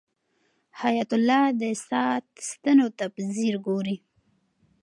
حیات الله د ساعت ستنو ته په ځیر ګوري.